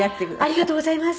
ありがとうございます。